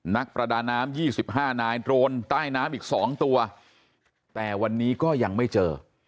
นักประดาน้ำ๒๕นายโดรนใต้น้ำอีก๒ตัวแต่วันนี้ก็ยังไม่เจอ